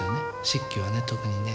漆器はね特にね。